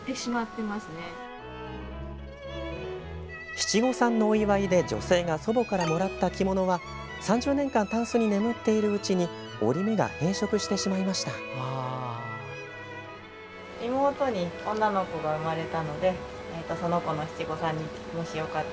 七五三のお祝いで女性が祖母からもらった着物は３０年間タンスに眠っているうちに折り目が変色してしまいました。